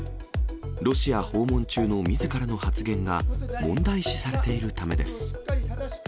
ロシア訪問中のみずからの発言が問題視されているためです。